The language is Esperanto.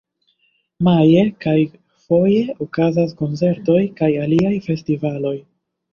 Maje kaj foje okazas koncertoj kaj aliaj festivaloj.